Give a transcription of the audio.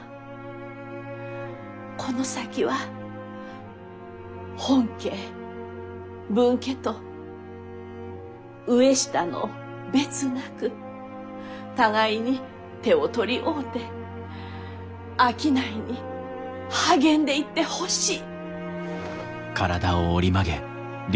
この先は本家分家と上下の別なく互いに手を取り合うて商いに励んでいってほしい！